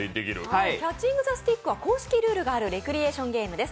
キャッチング・ザ・スティックは公式ルールがあるレクリエーションゲームです